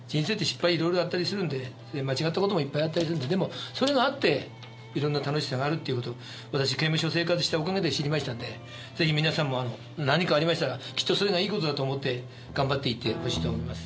いろいろあったりするんで間違った事もいっぱいあったりするんででもそれがあっていろんな楽しさがあるっていう事を私刑務所生活したおかげで知りましたんで是非皆さんも何かありましたらきっとそれがいい事だと思って頑張っていってほしいと思います」。